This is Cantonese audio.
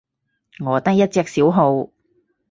我得一隻小號